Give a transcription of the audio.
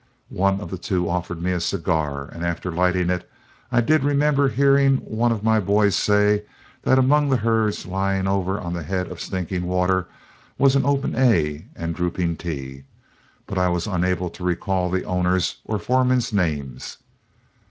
One of the two offered me a cigar, and after lighting it, I did remember hearing one of my boys say that among the herds lying over on the head of Stinking Water was an "Open A" and "Drooping T," but I was unable to recall the owner's or foremen's names.